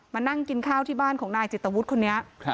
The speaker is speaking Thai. มานั่งกินข้าวที่บ้านของนายจิตวุฒิคนนี้